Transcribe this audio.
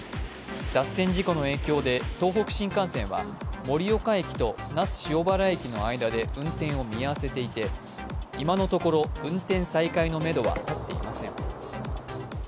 脱線事故の影響で東北新幹線は盛岡駅と那須塩原駅の間で運転を見合わせていて今のところ運転再開のめどは立っていません。